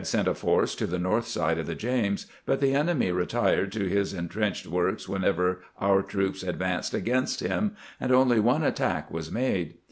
sent a force to the north side of the James ; but the enemy retired to his intrenched works whenever our troops advanced against him, and only one attack was made.